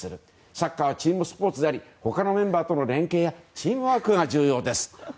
サッカーはチームスポーツである他のメンバーとの連係やチームワークが重要ですと。